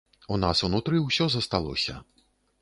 У нас унутры ўсё засталося.